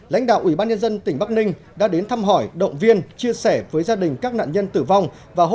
lãnh đạo ubnd tỉnh bắc ninh đã đến thăm hỏi động viên chia sẻ với gia đình các nạn nhân tử vong